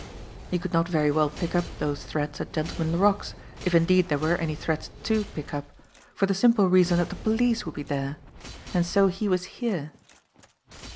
He could not very well pick up those threads at Gentleman Laroque's, if indeed there were any threads to pick up, for the simple reason that the police would be there ! And so he was here.